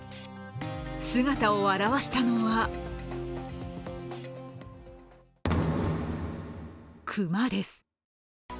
姿を現したのは熊です。